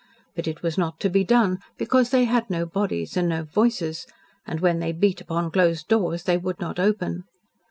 But it was not to be done, because they had no bodies and no voices, and when they beat upon closed doors they would not open.